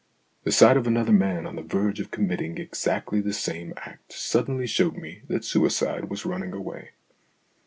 The sight of another man on the verge of committing exactly the same act suddenly showed me that suicide was running away.